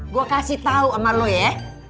gue kasih tau sama lo ya